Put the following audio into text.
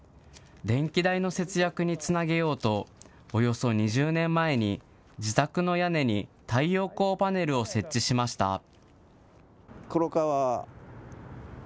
電気代の節約につなげようと、およそ２０年前に自宅の屋根に太陽光パネルを設置しました。